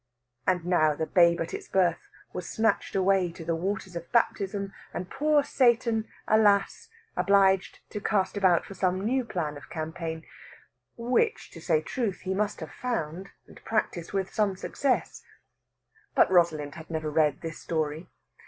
And now the babe at its birth was snatched away to the waters of baptism, and poor Satan alas! obliged to cast about for some new plan of campaign; which, to say truth, he must have found, and practised with some success. But Rosalind had never read this story.